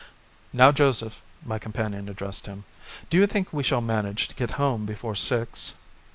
"Now, Joseph," my companion addressed him, "do you think we shall manage to get home before six?"